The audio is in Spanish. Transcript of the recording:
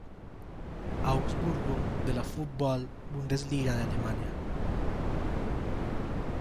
Augsburgo de la Fußball-Bundesliga de Alemania.